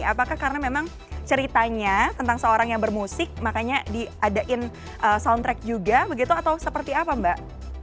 apakah karena memang ceritanya tentang seorang yang bermusik makanya diadain soundtrack juga begitu atau seperti apa mbak